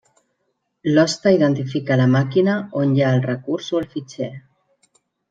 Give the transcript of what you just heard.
L'hoste identifica la màquina on hi ha el recurs o el fitxer.